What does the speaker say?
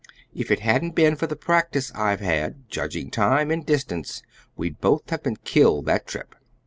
If it hadn't been for the practice I've had judging time and distance, we'd both have been killed that trip."